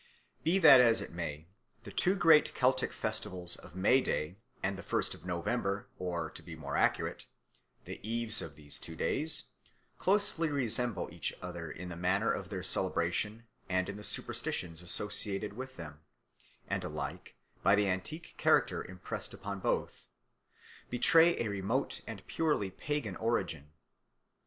Be that as it may, the two great Celtic festivals of May Day and the first of November or, to be more accurate, the Eves of these two days, closely resemble each other in the manner of their celebration and in the superstitions associated with them, and alike, by the antique character impressed upon both, betray a remote and purely pagan origin.